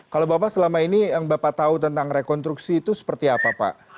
kalau bapak selama ini yang bapak tahu tentang rekonstruksi itu seperti apa pak